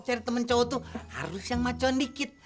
cari temen cowok tuh harus yang macon dikit